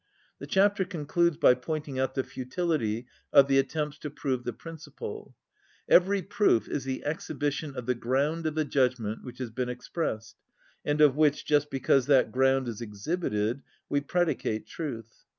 The chapter concludes by pointing out the futility of the attempts to prove the principle. Every proof is the exhibition of the ground of a judgment which has been expressed, and of which, just because that ground is exhibited, we predicate truth.